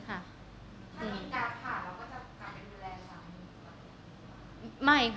ถ้าเรากินการ์ดผ่าเราก็จะกลับไปดูแลค่ะ